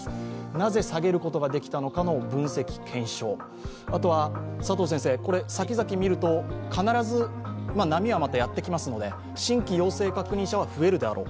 なぜ下げることができたのかの分析・検証、あとは佐藤先生、先々を見ると必ず波はまたやってきますので新規陽性確認者は増えるであろう。